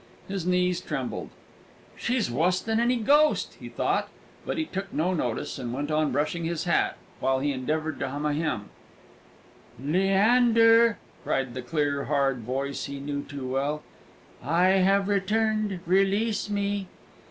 His knees trembled. "She's wuss than any ghost!" he thought; but he took no notice, and went on brushing his hat, while he endeavoured to hum a hymn. "Leander!" cried the clear, hard voice he knew too well, "I have returned. Release me!"